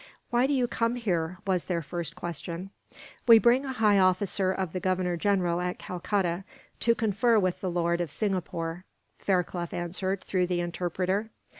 "Why do you come here?" was their first question. "We bring a high officer of the Governor General at Calcutta, to confer with the lord of Singapore," Fairclough answered, through the interpreter.